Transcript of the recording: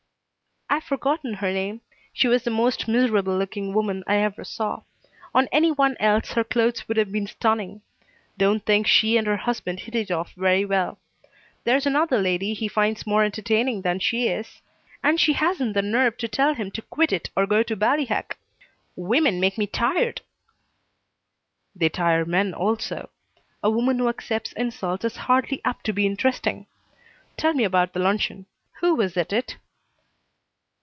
"I've forgotten her name. She was the most miserable looking woman I ever saw. On any one else her clothes would have been stunning. Don't think she and her husband hit it off very well. There's another lady he finds more entertaining than she is, and she hasn't the nerve to tell him to quit it or go to Ballyhack. Women make me tired!" "They tire men, also. A woman who accepts insult is hardly apt to be interesting. Tell me about the luncheon. Who was at it?"